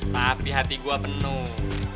tapi hati gue penuh